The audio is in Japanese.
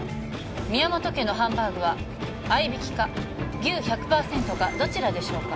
宮本家のハンバーグは合いびきか牛１００％かどちらでしょうか？